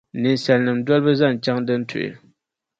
Ninsalinima dolibu n-zaŋ chaŋ din tuhi.